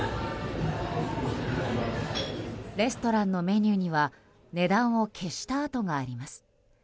レストランのメニューには値段を消した跡があります。